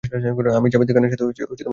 আমি জাভেদ খানের সাথে কথা বলতে চাই।